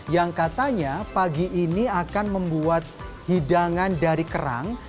yang katanya pagi ini akan membuat hidangan dari kerang